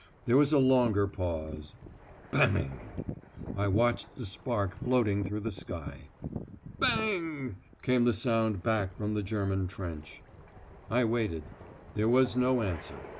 There was a longer pause. "Bang!" I watched the spark floating through the sky. "Bang!" came the sound back from the German trench. I waited. There was no answer.